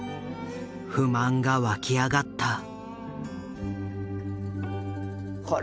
不満が湧き上がった。